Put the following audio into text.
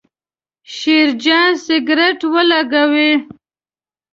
شیرجان سګرېټ ولګاوې.